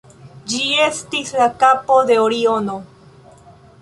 Ĝi estis la kapo de Oriono.